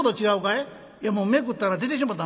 「いやもうめくったら出てしもうた。